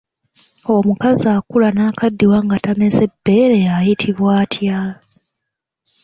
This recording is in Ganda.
Omukazi akula n'akaddiwa nga tameze bbeere ayitibwa atya?